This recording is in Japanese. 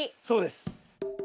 そうです。